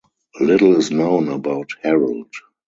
Little is known about Harold.